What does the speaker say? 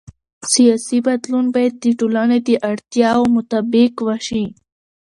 سیاسي بدلون باید د ټولنې د اړتیاوو مطابق وشي